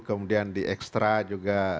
kemudian di ekstra juga